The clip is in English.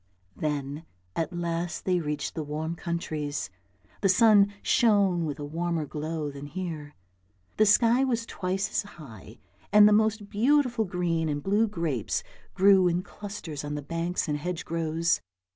Then at last they reached the warm countries. The sun shone with a warmer glow than here; the sky was twice as high, and the most beautiful green and blue grapes grew in THUMBELISA 77 clusters on the banks and hedgerows.